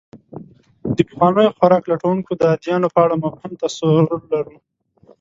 د پخوانیو خوراک لټونکو د ادیانو په اړه مبهم تصور لرو.